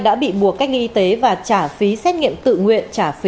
đã bị buộc cách ly y tế và trả phí xét nghiệm tự nguyện trả phí